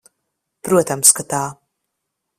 Protams, ka tā.